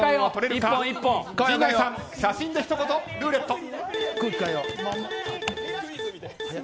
写真で一言ルーレット。